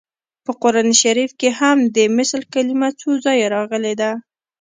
په قران شریف کې هم د مثل کلمه څو ځایه راغلې ده